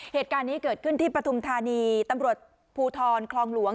เหตุการณ์นี้เกิดขึ้นที่ปฐุมธานีตำรวจภูทรคลองหลวง